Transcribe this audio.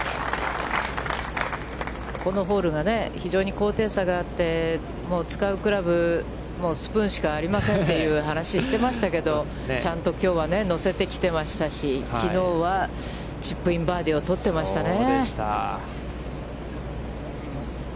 このホールが非常に高低差があって、もう使うクラブもスプーンしかありませんという話をしていましたけど、ちゃんときょうは乗せてきてましたし、きのうはチップインバーディーをとっていましたね。